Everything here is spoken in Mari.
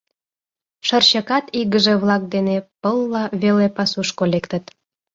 Шырчыкат игыже-влак дене пылла веле пасушко лектыт.